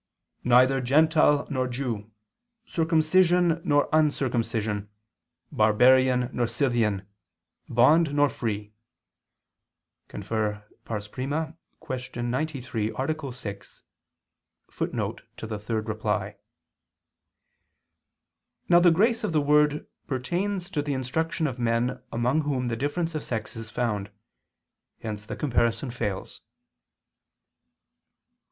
'Neither Gentile nor Jew, circumcision nor uncircumcision, Barbarian nor Scythian, bond nor free.' Cf. I, Q. 93, A. 6, ad 2 footnote]." Now the grace of the word pertains to the instruction of men among whom the difference of sex is found. Hence the comparison fails.